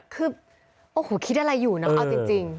คือโอ้โหคิดอะไรอยู่เนอะเอาจริง